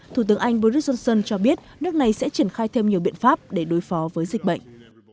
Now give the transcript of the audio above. thủ tướng anh boris johnson cho biết nước này sẽ triển khai thêm nhiều biện pháp để đối phó với dịch bệnh